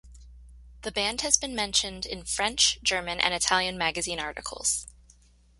The band has been mentioned in French, German, and Italian magazine articles.